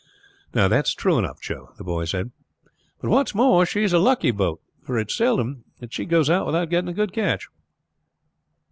"That's true enough, Joe," the boy said. "But what's more, she's a lucky boat; for it's seldom that she goes out without getting a good catch."